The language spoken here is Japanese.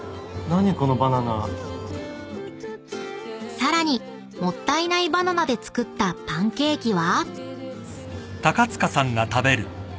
［さらにもったいないバナナで作ったパンケーキは？］